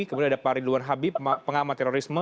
kemudian ada pak ridwan habib pengamat terorisme